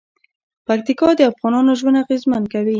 پکتیکا د افغانانو ژوند اغېزمن کوي.